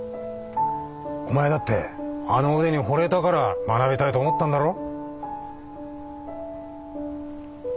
お前だってあの腕にほれたから学びたいと思ったんだろ？